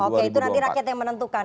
oke itu nanti rakyat yang menentukan